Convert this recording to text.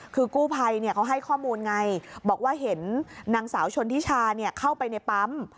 คือกู้ภัยเขาให้ข้อมูลไงบอกว่าเห็นนางสาวชนทิชาเข้าไปในปั๊ม